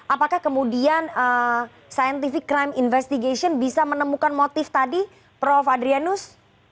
apakah kemudian scientific crime investigation bisa menemukan motif tadi prof adrianus